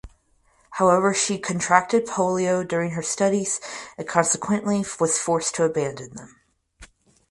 However she contracted polio during her studies and consequently was forced to abandon them.